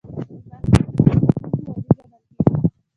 د محصل ژوند کې ستونزې عادي ګڼل کېږي.